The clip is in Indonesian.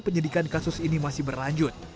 penyidikan kasus ini masih berlanjut